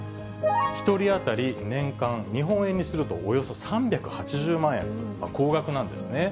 １人当たり年間、日本円にするとおよそ３８０万円と高額なんですね。